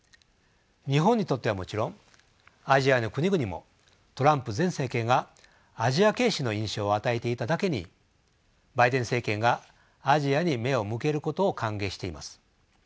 日本にとってはもちろんアジアの国々もトランプ前政権がアジア軽視の印象を与えていただけにバイデン政権がアジアに目を向けることを歓迎しています。